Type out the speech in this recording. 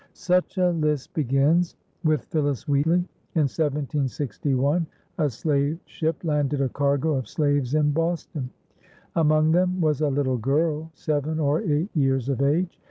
Such a list begins with Phillis Wheatley. In 1761 a slave ship landed a cargo of slaves in Boston. Among them was a little girl seven or eight years of age.